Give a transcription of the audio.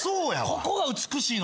ここが美しいのよ。